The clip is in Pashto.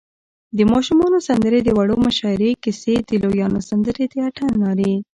د ماشومانو سندرې، د وړو مشاعرې، کیسی، د لویانو سندرې، د اتڼ نارې